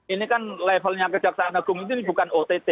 ini kan levelnya kejaksaan agung ini bukan ott